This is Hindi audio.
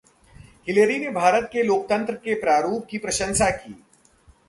हिलेरी ने भारत के लोकतंत्र के प्रारुप की प्रशंसा की